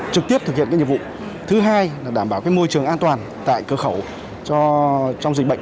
trực tiếp thực hiện nhiệm vụ thứ hai là đảm bảo môi trường an toàn tại cơ khẩu trong dịch bệnh